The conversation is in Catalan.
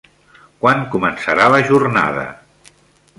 Quan començarà la jornada?